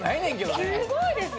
すごいです。